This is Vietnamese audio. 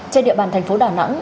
trên địa bàn thành phố đà nẵng